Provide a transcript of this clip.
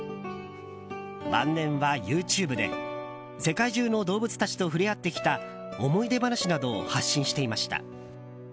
晩年はＹｏｕＴｕｂｅで世界中の動物たちと触れ合ってきた思い出話などを発信していました。